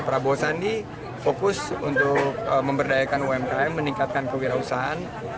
prabowo sandi fokus untuk memberdayakan umkm meningkatkan kewirausahaan